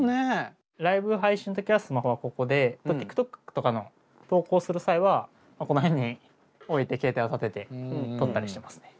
ライブ配信の時はスマホはここでＴｉｋＴｏｋとかの投稿する際はこの辺に置いて携帯を立てて撮ったりしてますね。